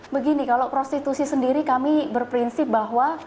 begini kalau prostitusi sendiri kami berprinsip bahwa